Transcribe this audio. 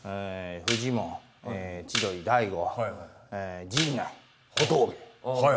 フジモン千鳥大悟陣内小峠はい